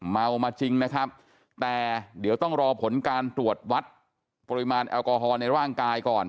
เมามาจริงนะครับแต่เดี๋ยวต้องรอผลการตรวจวัดปริมาณแอลกอฮอล์ในร่างกายก่อน